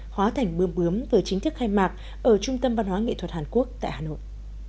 hóa thành bướm bướm vừa chính thức khai mạc ở trung tâm văn hóa nghệ thuật hàn quốc tại hà nội